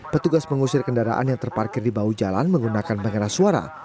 petugas mengusir kendaraan yang terparkir di bahu jalan menggunakan pengeras suara